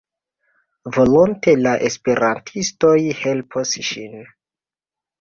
Volonte la esperantistoj helpos ŝin.